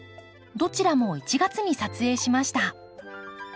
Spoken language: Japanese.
どちらも１月に撮影しました。